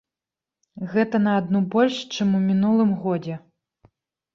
Гэта на адну больш, чым у мінулым годзе.